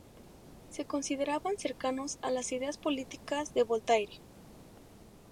Se consideraban cercanos a las ideas políticas de Voltaire.